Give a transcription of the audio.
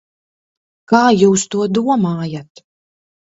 Kā jūs to domājat?